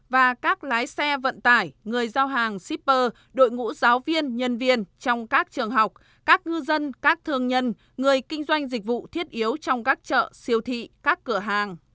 và các lái xe vận tải người giao hàng shipper đội ngũ giáo viên nhân viên trong các trường học các ngư dân các thương nhân người kinh doanh dịch vụ thiết yếu trong các chợ siêu thị các cửa hàng